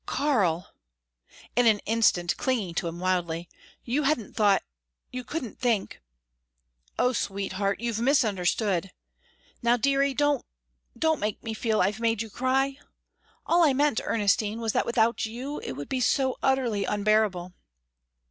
"Karl!" in an instant clinging to him wildly "you hadn't thought you couldn't think " "Oh, sweetheart you've misunderstood. Now, dearie don't don't make me feel I've made you cry. All I meant, Ernestine, was that without you it would be so utterly unbearable."